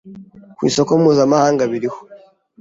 ku isoko mpuzamahanga biriho